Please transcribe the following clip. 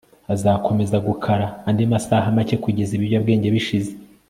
azakomeza gukara andi masaha make kugeza ibiyobyabwenge bishize